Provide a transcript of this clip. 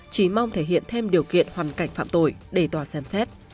chỉ mong thể hiện thêm điều kiện hoàn cảnh phạm tội để tòa xem xét